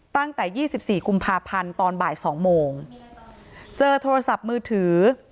ตั้งแต่๒๔กุมภาพันธ์ตอนบ่าย๒โมงเจอโทรศัพท์มือถือ